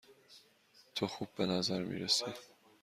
تو خوب به نظر می رسی.